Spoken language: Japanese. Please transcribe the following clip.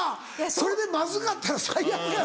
それでまずかったら最悪やろ？